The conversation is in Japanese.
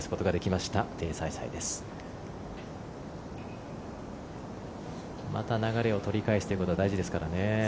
また流れを取り返すということが大事ですからね。